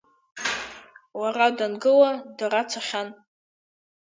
Лара дангыла, дара цахьан.